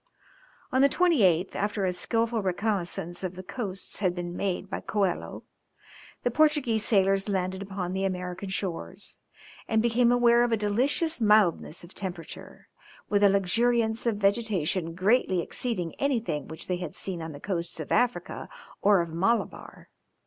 On the 28th, after a skilful reconnaissance of the coasts had been made by Coelho, the Portuguese sailors landed upon the American shores, and became aware of a delicious mildness of temperature, with a luxuriance of vegetation greatly exceeding anything which they had seen on the coasts of Africa or of Malabar.